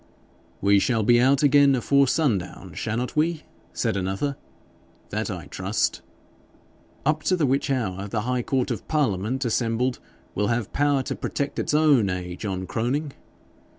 'We shall be out again afore sundown, shannot we?' said another. 'That I trust.' 'Up to the which hour the High Court of Parliament assembled will have power to protect its own eh, John Croning?'